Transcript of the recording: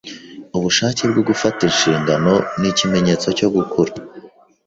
Ubushake bwo gufata inshingano ni ikimenyetso cyo gukura.